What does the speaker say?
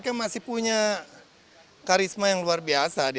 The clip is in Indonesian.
kami masih ini untuk melihat negara seperti ini